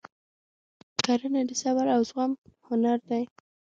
کرنه د صبر او زغم هنر دی.